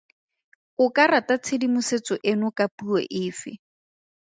O ka rata tshedimosetso eno ka puo efe?